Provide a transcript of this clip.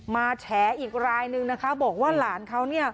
มาแฉออีกรายหนึ่งบอกว่าหลานเขา